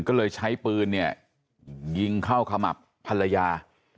ก็เลยใช้ปืนเนี่ยยิงเข้าขมับภรรยา